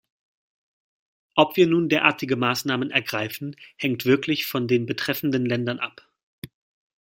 Ob wir nun derartige Maßnahmen ergreifen, hängt wirklich von den betreffenden Ländern ab.